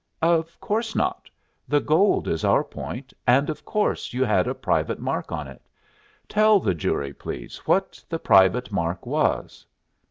"Of course not. The gold is our point. And of course you had a private mark on it. Tell the jury, please, what the private mark was."